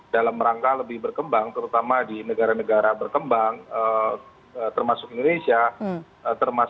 dalam rangka lebih berkembang terutama di negara negara berkembang termasuk indonesia